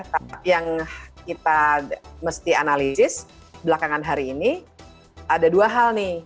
tapi yang kita mesti analisis belakangan hari ini ada dua hal nih